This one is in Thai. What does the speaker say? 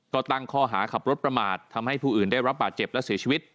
ก็ตั้งข้อหาขับรถประมาททำให้ผู้อื่นได้รับบาดเจ็บและเสียชีวิต